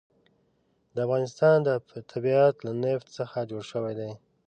د افغانستان طبیعت له نفت څخه جوړ شوی دی.